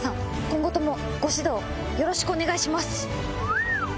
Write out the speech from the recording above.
今後ともご指導よろしくお願いします！